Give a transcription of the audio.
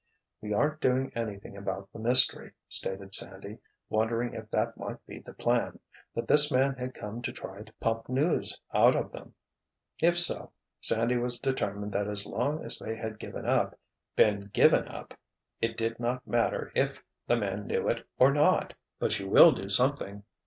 "We aren't doing anything about the mystery," stated Sandy, wondering if that might be the plan—that this man had come to try to pump news out of them. If so, Sandy was determined that as long as they had given up, been given up, it did not matter if the man knew it or not. "But you will do something!